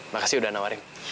makasih udah nawarim